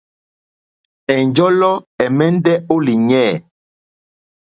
Ɛ̀njɔ́lɔ́ ɛ̀mɛ́ndɛ́ ó lìɲɛ̂.